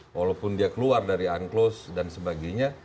walaupun dia keluar dari unclosed dan sebagainya